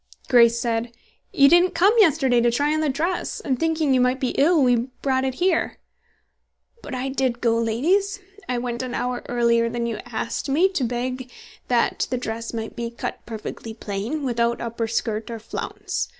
Grace said, "You didn't come yesterday to try on the dress, and thinking you might be ill, we brought it here." "But I did go, ladies. I went an hour earlier than you asked me, to beg that the dress might be cut perfectly plain, without upper skirt or flounce.